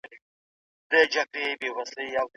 خر پیدا دی چي به وړي درانه بارونه